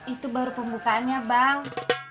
itu baru pembukaannya bang